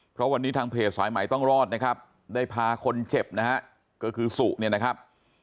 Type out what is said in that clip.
เพราะวันนี้ทางเพจสายใหม่ต้องรอดนะครับได้พาคนเจ็บนะฮะก็คือสุเนี่ยนะครับ